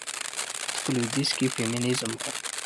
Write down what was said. ته په لوىديځ کې فيمينزم وايي.